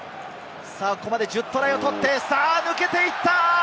ここまで１０トライを取って、さぁ抜けていった！